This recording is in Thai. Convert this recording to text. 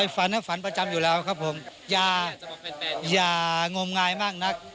ฝันฝันประจำอยู่แล้วครับผมอย่างมงายมากนัก